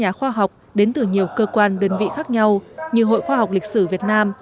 các nhà khoa học đến từ nhiều cơ quan đơn vị khác nhau như hội khoa học lịch sử việt nam